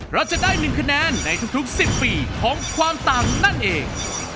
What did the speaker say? เราจะได้๑คะแนนในทุก๑๐ปีของความต่างนั่นเอง